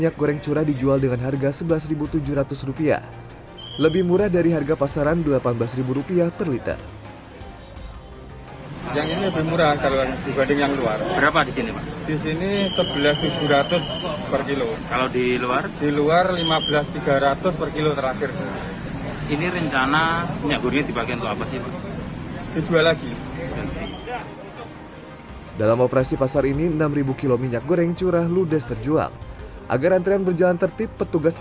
kilo minyak goreng curah ludes terjual agar antrean berjalan tertib petugas